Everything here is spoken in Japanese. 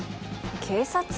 警察？